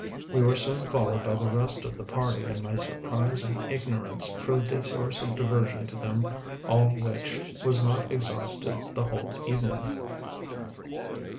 We were soon followed by the rest of the party; and my surprise and ignorance proved a source of diversion to them all which was not exhausted the whole evening.